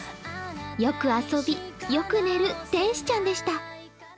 よく遊び、よく寝る天使ちゃんでした。